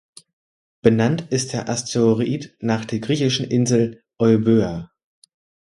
Benannt ist der Asteroid nach der griechischen Insel Euböa.